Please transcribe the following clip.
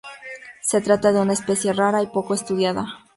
Se trata de una especie rara y poco estudiada.